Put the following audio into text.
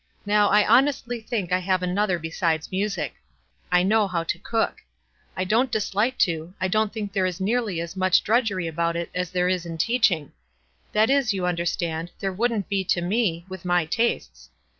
Now, I honestly think I have another be sides music. I know how to cook ; I don't dis like to ; 1 don't think there is nearly as much drudgery about it as there is in teaching. That is, you understand, there wouldn't be to me, with my tastes.